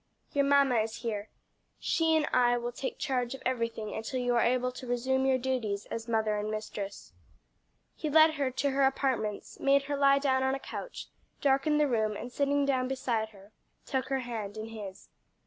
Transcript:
"Your mamma is here. She and I will take charge of everything until you are able to resume your duties as mother and mistress." He led her to her apartments, made her lie down on a couch, darkened the room, and sitting down beside her, took her hand in his.